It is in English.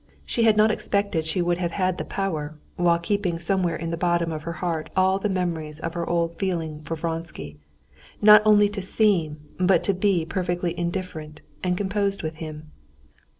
She had not expected she would have had the power, while keeping somewhere in the bottom of her heart all the memories of her old feeling for Vronsky, not only to seem but to be perfectly indifferent and composed with him.